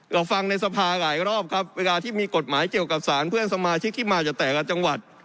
เราฟังในสภาหลายรอบครับเวลาที่มีกฎหมายเกี่ยวกับสารเพื่อนสมาชิกที่มาจากแต่ละจังหวัด